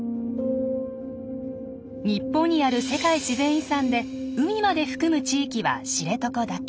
日本にある世界自然遺産で海まで含む地域は知床だけ。